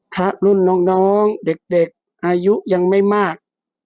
ครับรุ่นน้องเด็กอายุยังไม่มาก